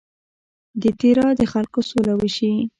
د تیرا د خلکو سوله وشي.